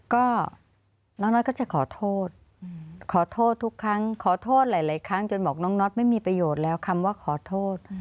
ก็น้องน็อตก็จะขอโทษขอโทษทุกครั้งขอโทษหลายครั้งจนบอกน้องน็อตไม่มีประโยชน์แล้วคำว่าขอโทษ